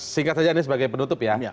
singkat saja ini sebagai penutup ya